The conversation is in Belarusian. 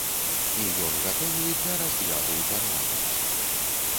І ён гатовы для разгляду ў парламенце.